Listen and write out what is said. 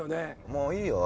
もういいよ。